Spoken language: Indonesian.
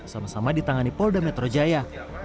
sama sama ditangani polda metro jaya